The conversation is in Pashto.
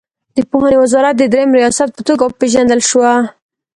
د پوهنې وزارت د دریم ریاست په توګه وپېژندل شوه.